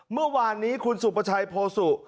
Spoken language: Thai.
เมื่อวานนี้คุณสุประชัยโพสุ